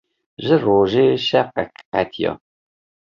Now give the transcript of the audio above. Ji rojê şewqek qetiya.